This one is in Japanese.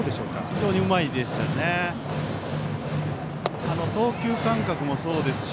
非常にうまいですね。